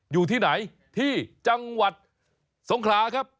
อยู่ที่ไหนที่จังหวัดสงขลาครับ